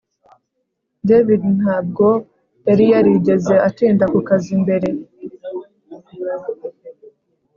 David ntabwo yari yarigeze atinda ku kazi mbere